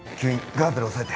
ガーゼで押さえて。